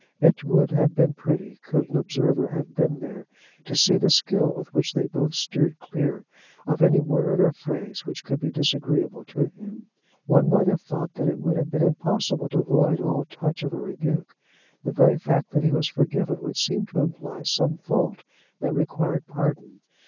It would have been pretty, could an observer have been there, to see the skill with which they both steered clear of any word or phrase which could be disagreeable to him. One might have thought that it would have been impossible to avoid all touch of a rebuke. The very fact that he was forgiven would seem to imply some fault that required pardon.